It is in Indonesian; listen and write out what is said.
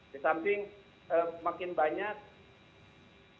disamping makin banyak air air tergena yang tidak selesai begitu